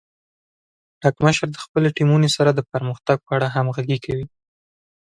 پړکمشر د خپلو ټیمونو سره د پرمختګ په اړه همغږي کوي.